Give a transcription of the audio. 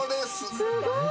すごい！